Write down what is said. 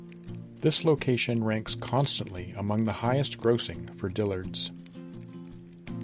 This location ranks constantly among the highest grossing for Dillard's.